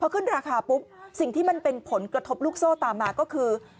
ขึ้นราคาปุ๊บสิ่งที่มันเป็นผลกระทบลูกโซ่ตามมาก็คือ